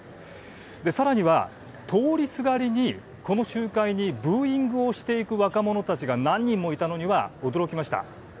さらには、通りすがりにこの集会にブーイングをしていく若者たちが何人もいたのには驚きました。